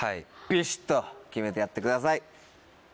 ビシっと決めてやってください。